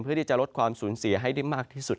ที่จะลดความสูญเสียให้ได้มากที่สุด